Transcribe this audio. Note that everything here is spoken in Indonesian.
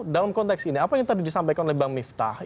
dalam konteks ini apa yang tadi disampaikan oleh bang miftah